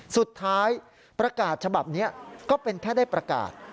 สุดท้ายประกาศฉบับนี้ก็เป็นแค่ได้ประกาศ